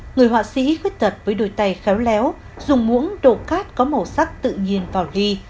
người họa sĩ khuyết tật với đồi tay khéo léo dùng muỗng đồ cát có màu sắc tự nhiên vào ghi